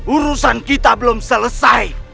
urusan kita belum selesai